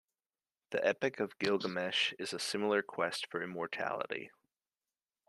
The "Epic of Gilgamesh" is a similar quest for immortality.